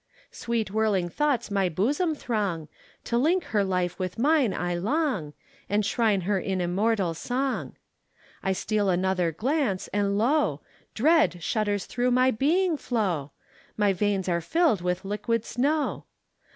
Sweet whirling thoughts my bosom throng, To link her life with mine I long, And shrine her in immortal song. I steal another glance and lo! Dread shudders through my being flow, My veins are filled with liquid snow.